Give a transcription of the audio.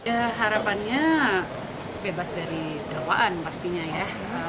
ya harapannya bebas dari dawaan pastinya ya